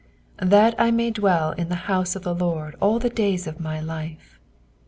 " That I tjtay daellin the houM of the Lord all tha dayt of my life.'''